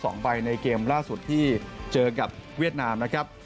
สองใบในเกมล่าสุดที่เจอกับเวียดนามนะครับ